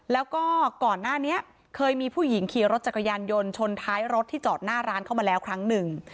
แล้วก็ก่อนหน้านี้เคยมีผู้หญิงขี่รถจักรยานยนต์ชนท้ายรถที่จอดหน้าร้านเข้ามาแล้วครั้งหนึ่ง